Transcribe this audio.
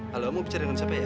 halo mau bicara dengan siapa ya